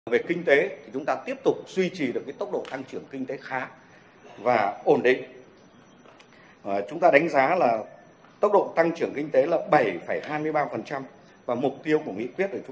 đặc biệt thành phố tiếp tục tập trung cải thiện môi trường và thu hút đầu tư